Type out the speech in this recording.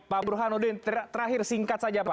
pak burhanuddin terakhir singkat saja pak